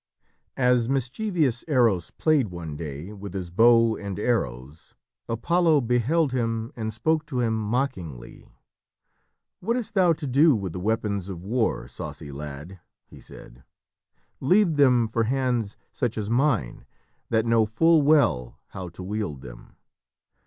As mischievous Eros played one day with his bow and arrows, Apollo beheld him and spoke to him mockingly. "What hast thou to do with the weapons of war, saucy lad?" he said. "Leave them for hands such as mine, that know full well how to wield them.